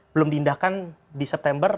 belum diindahkan di september